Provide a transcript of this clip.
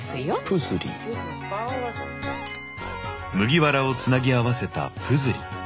麦わらをつなぎ合わせたプズリ。